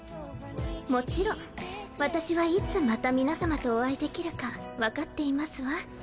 もちろん私はいつまた皆さまとお会いできるか分かっていますわ。